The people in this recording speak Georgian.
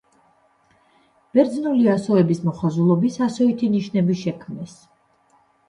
ბერძნული ასოების მოხაზულობის ასოითი ნიშნები შექმნეს.